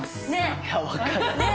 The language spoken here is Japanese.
いや分かる。ね！